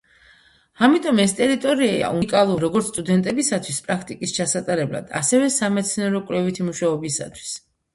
ამიტომ ეს ტერიტორია უნიკალურია, როგორც სტუდენტებისათვის პრაქტიკის ჩასატარებლად, ასევე სამეცნიერო-კვლევითი მუშაობისათვის.